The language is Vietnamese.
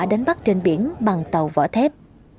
đánh bắt trên biển bằng tàu vỏ thép